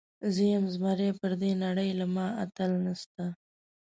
زه یم زمری، پر دې نړۍ له ما اتل نسته.